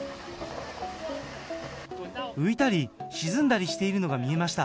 浮いたり沈んだりしているのが見えました。